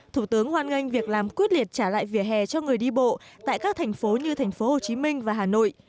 thủ tướng hoan nghênh việc làm quyết liệt trả lại vỉa hè cho người đi bộ tại các thành phố như thành phố hồ chí minh và hà nội